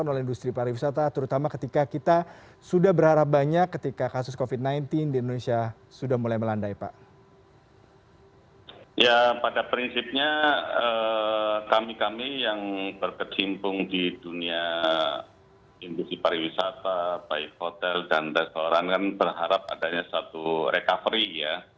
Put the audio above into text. hotel dan restoran kan berharap adanya satu recovery ya